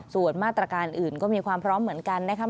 ส่วนมาตรการอื่นก็มีความพร้อมเหมือนกันนะครับ